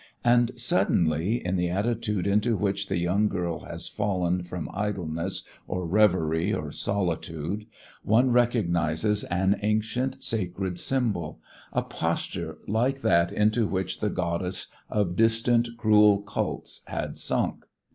And suddenly, in the attitude into which the young girl has fallen from idleness, or reverie, or solitude, one recognizes an ancient, sacred symbol, a posture like that into which the goddess of distant, cruel cults had sunk.